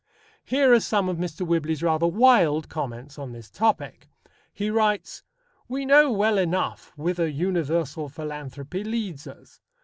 Here are some of Mr. Whibley's rather wild comments on this topic. He writes: We know well enough whither universal philanthropy leads us.